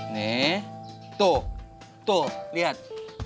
nih tuh tuh lihat